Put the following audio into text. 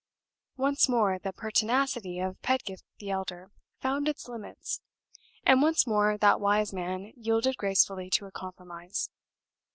Once more the pertinacity of Pedgift the elder found its limits, and once more that wise man yielded gracefully to a compromise.